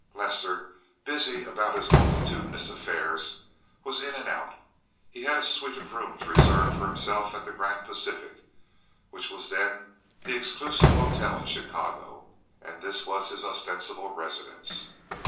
Lester, busy about his multitudinous affairs, was in and out. He had a suite of rooms reserved for himself at the Grand Pacific, which was then the exclusive hotel of Chicago, and this was his ostensible residence.